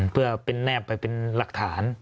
เพื่อเป็นแนบไปเป็นหลักฐาน